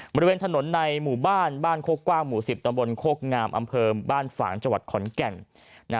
บริเวณถนนในหมู่บ้านบ้านโคกกว้างหมู่๑๐ตำบลโคกงามอำเภอบ้านฝางจังหวัดขอนแก่น